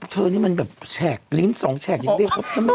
เธอนี่แบบแชกปีนสองแชกอย่างนี้